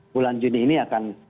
bulan juni ini akan